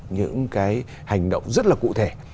những cái hành động rất là cụ thể